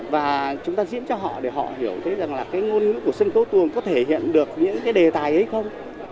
và chúng ta diễn cho họ để họ hiểu thấy rằng là cái ngôn ngữ của sân khấu tuồng có thể hiện được những cái đề tài ấy không